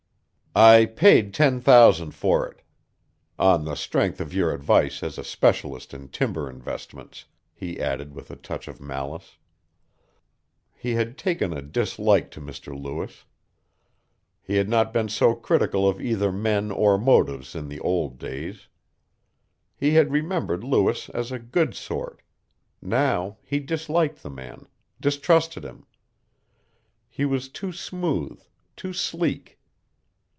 "I paid ten thousand for it. On the strength of your advice as a specialist in timber investments," he added with a touch of malice. He had taken a dislike to Mr. Lewis. He had not been so critical of either men or motives in the old days. He had remembered Lewis as a good sort. Now he disliked the man, distrusted him. He was too smooth, too sleek.